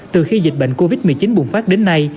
từ khi dịch bệnh covid một mươi chín bùng phát đến nay